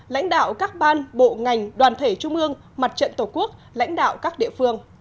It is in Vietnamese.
lãnh đạo các ban bộ ngành đoàn thể trung ương mặt trận tổ quốc lãnh đạo các địa phương